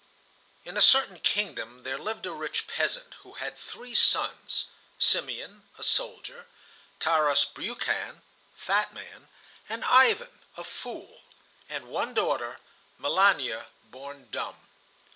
In a certain kingdom there lived a rich peasant, who had three sons—Simeon (a soldier), Tarras Briukhan (fat man), and Ivan (a fool)—and one daughter, Milania, born dumb.